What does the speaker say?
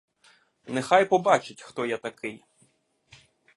Нехай побачить, хто я такий.